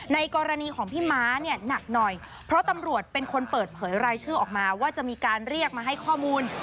ในกรณีของพี่ม้าเนี่ยหนักหน่อยเพราะตำรวจเป็นคนเปิดเผยรายชื่อออกมาว่าจะมีการเรียกมาให้ข้อมูล